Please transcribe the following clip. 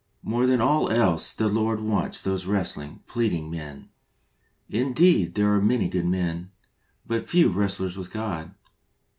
More than all else the Lord wants these wrestling, pleading men. Indeed, there are many good men, but few wrestlers with God.